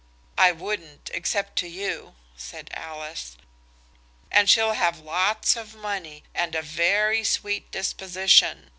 "I wouldn't, except to you," said Alice, "and she'll have lots of money and a very sweet disposition.